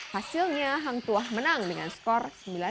hasilnya hang tuah menang dengan skor sembilan puluh tujuh tujuh puluh empat